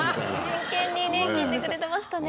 真剣に聞いてくれてましたね。